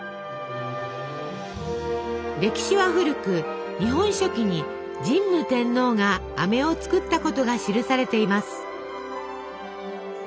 歴史は古く「日本書紀」に神武天皇があめを作ったことが記されています。